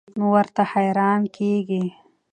نو ورته حېران کيږي